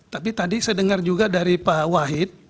tapi tadi saya dengar juga dari pak wahid